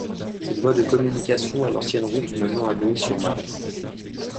Cette voie de communication est l'ancienne route menant à Neuilly-sur-Marne.